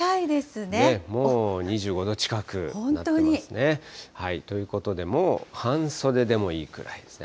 もう２５度近くなってますね。ということでもう、半袖でもいいくらいですね。